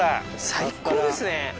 最高ですね！